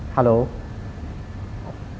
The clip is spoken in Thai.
ฮัลโหล